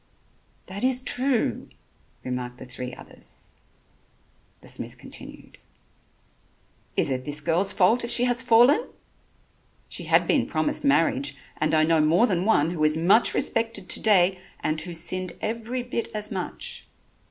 "That is true," remarked the three others. The smith continued: "Is it this girl's fault if she has fallen? She had been promised marriage and I know more than one who is much respected to day, and who sinned every bit as much."